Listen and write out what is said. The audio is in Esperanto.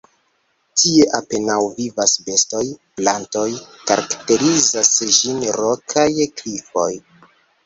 Tie apenaŭ vivas bestoj, plantoj, karakterizas ĝin rokaj klifoj.